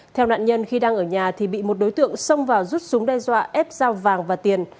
theo nạn nhân khi đang ở nhà thì bị một đối tượng xông vào rút súng đe dọa ép dao vàng và tiền